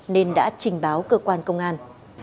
nên đã trình báo cơ quan công an